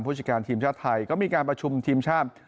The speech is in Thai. ผู้จัดการทีมชาติไทยก็มีการประชุมทีมชาติ